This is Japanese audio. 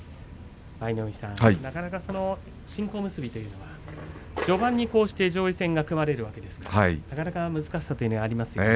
舞の海さん、新小結というのは序盤にこうして上位戦が組まれるわけですが、なかなか難しさというのはありますよね。